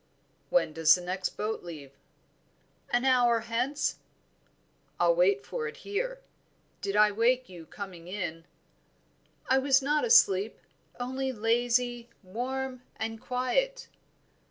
"When does the next boat leave?" "An hour hence." "I'll wait for it here. Did I wake you coming in?" "I was not asleep; only lazy, warm, and quiet."